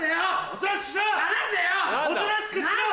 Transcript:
おとなしくしろ！